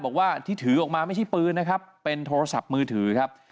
บอกว่าที่ถือออกมาไม่ใช่ปืนนะครับเป็นโทรศัพท์มือถือครับ